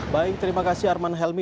baik terima kasih arman helmi